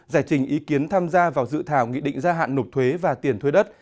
giải trình ý kiến tham gia vào dự thảo nghị định gia hạn nộp thuế và tiền thuế đất